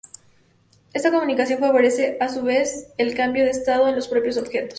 Esta comunicación favorece a su vez el cambio de estado en los propios objetos.